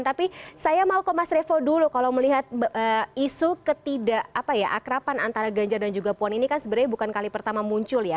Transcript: tapi saya mau ke mas revo dulu kalau melihat isu ketidakakrapan antara ganjar dan juga puan ini kan sebenarnya bukan kali pertama muncul ya